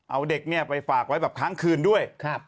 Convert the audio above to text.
เอาเด็กเนี่ยไปฝากไว้แบบค้างคืนด้วย